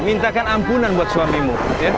mintakan ampunan buat suamimu